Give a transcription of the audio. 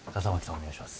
お願いします。